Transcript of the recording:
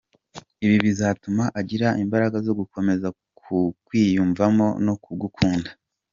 Ibi bizatuma agira imbaraga zo gukomeza kukwiyumvamo no kugukunda.